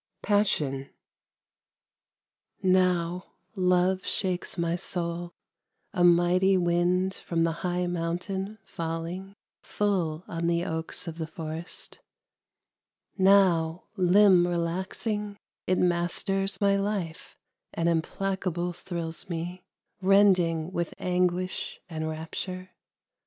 PASSION Now Love shakes my soul, a mighty Wind from the high mountain falling Full on the oaks of the forest; Now, limb relaxing, it masters My life and implacable thrills me, Rending with anguish and rapture.